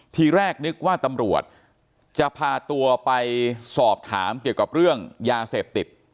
ทีแรกนึกว่าตำรวจจะพาตัวไปสอบถามเกี่ยวกับเรื่องยาเสพติด